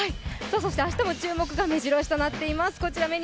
明日も注目がめじろ押しとなっています。